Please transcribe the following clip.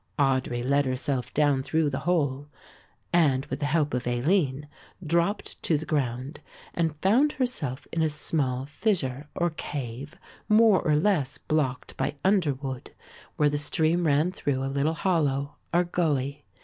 Audry let herself down through the hole and with the help of Aline dropped to the ground, and found herself in a small fissure or cave, more or less blocked by underwood, where the stream ran through a little hollow or gully.